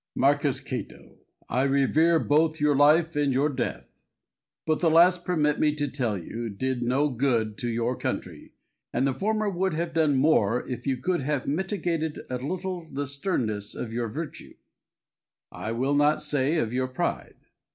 Messalla. Marcus Cato, I revere both your life and your death; but the last, permit me to tell you, did no good to your country, and the former would have done more if you could have mitigated a little the sternness of your virtue, I will not say of your pride.